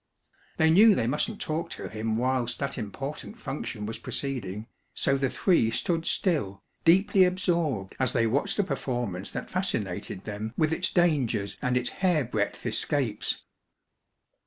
They knew they mustn't talk to him whilst that important function was proceeding, so the three stood still, deeply absorbed as they watched the performance that fascinated them with its dangers and its hairbreadth escapes.